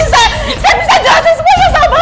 apa saya bisa jelasin semua masalah pak ini